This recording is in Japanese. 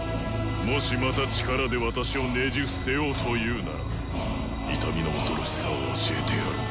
もしまた力で私をねじ伏せようというなら痛みの恐ろしさを教えてやろう。